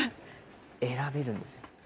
選べるんですよ。